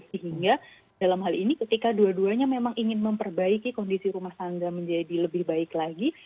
sehingga dalam hal ini ketika dua duanya memang ingin memperbaiki kondisi rumah sangga menjadi lebih baik lagi